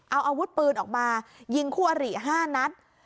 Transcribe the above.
เอาอาวุธปืนออกมายิงคู่อริ๕นัด